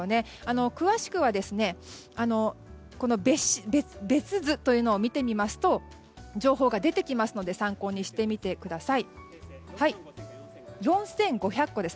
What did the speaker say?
詳しくは別図というのを見てみますと情報が出てきますので参考にしてみてください。